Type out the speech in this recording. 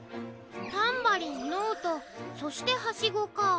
タンバリンノートそしてハシゴか。